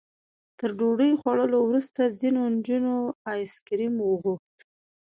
تر ډوډۍ خوړلو وروسته ځینو نجونو ایس کریم وغوښت.